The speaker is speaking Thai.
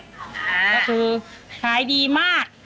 ก็คือขายดีมาก